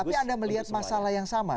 tapi anda melihat masalah yang sama